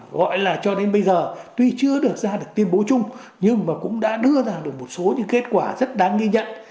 gọi là cho đến bây giờ tuy chưa được ra được tuyên bố chung nhưng mà cũng đã đưa ra được một số những kết quả rất đáng ghi nhận